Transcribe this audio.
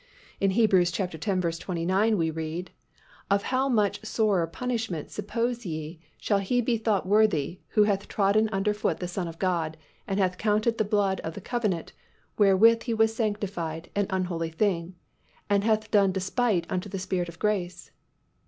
In Heb. x. 29, we read, "Of how much sorer punishment, suppose ye, shall he be thought worthy, who hath trodden underfoot the Son of God, and hath counted the blood of the covenant, wherewith he was sanctified, an unholy thing, and hath done despite unto the Spirit of grace?"